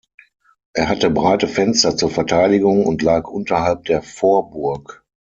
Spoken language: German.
Er hatte breite Fenster zur Verteidigung und lag unterhalb der Vorburg.